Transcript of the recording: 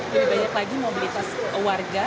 lebih banyak lagi mobilitas warga